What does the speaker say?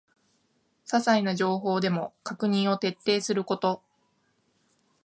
ささいな情報でも確認を徹底すること